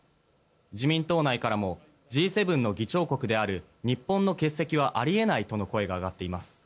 自民党内からもＧ７の議長国である日本の欠席はあり得ないとの声が上がっています。